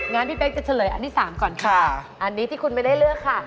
งั้นพี่เป๊กจะเฉลยอันที่๓ก่อนค่ะอันนี้ที่คุณไม่ได้เลือกค่ะ